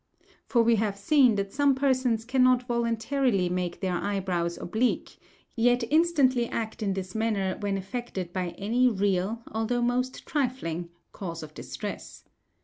For we have seen that some persons cannot voluntarily make their eyebrows oblique, yet instantly act in this manner when affected by any real, although most trifling, cause of distress.